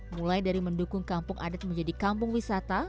mulai dari mendukung kampung adat menjadi kampung wisata